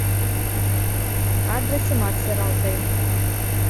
Адресымат сералтен.